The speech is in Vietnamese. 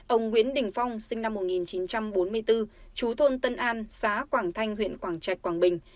ông nguyễn đình phong sinh năm một nghìn chín trăm bốn mươi bốn chú thôn tân an xã quảng thanh huyện quảng trạch quảng bình